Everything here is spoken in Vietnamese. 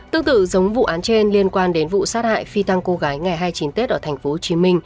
tương tự giống vụ án trên liên quan đến vụ sát hại phi tăng cô gái ngày hai mươi chín tết ở tp hcm